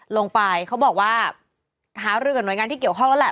ลงไปเขาบอกว่าหารือกับหน่วยงานที่เกี่ยวข้องแล้วแหละ